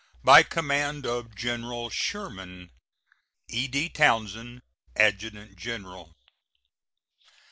By command of General Sherman: E.D. TOWNSEND, Adjutant General.